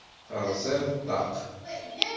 Terẓiḍ ṭṭaq.